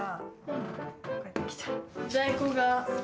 在庫が。